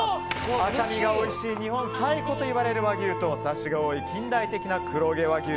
赤身がおいしい日本最古といわれる和牛とサシが多い近代的な黒毛和牛。